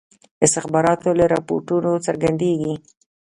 استخباراتو له رپوټونو څرګندیږي.